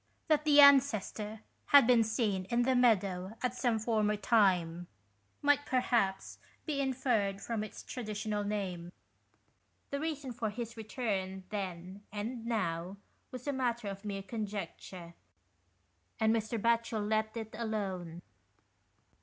That the ancestor had been seen in the meadow at some former time might perhaps be inferred from its traditional name. The reason for his return, then and now, was a matter of mere conjecture, and Mr. Batchel let it alone.